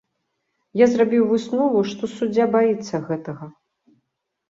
Я зрабіў выснову, што суддзя баіцца гэтага.